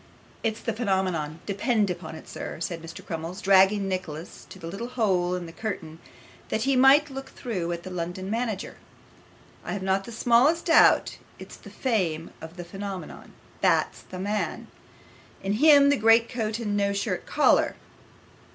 'It's the phenomenon, depend upon it, sir,' said Crummles, dragging Nicholas to the little hole in the curtain that he might look through at the London manager. 'I have not the smallest doubt it's the fame of the phenomenon that's the man; him in the great coat and no shirt collar.